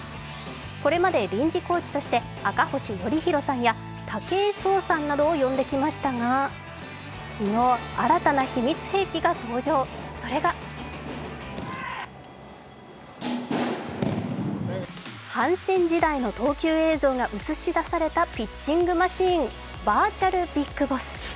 これまで臨時コーチとして赤星徳広さんや武井壮さんなどを呼んできましたが、昨日新たな秘密兵器が登場、それが阪神時代の投球映像が映し出されたピッチングマシン、バーチャル・ビッグボス。